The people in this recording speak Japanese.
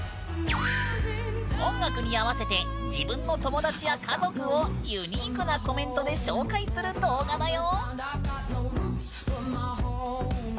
音楽に合わせて自分の友だちや家族をユニークなコメントで紹介する動画だよ。